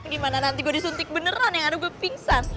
gimana nanti gue disuntik beneran yang aduh gue pingsan